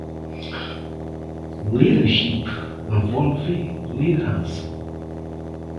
Leadership envolve liderança.